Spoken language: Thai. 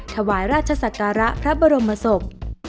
ถวายราชศักระพระบรมศพ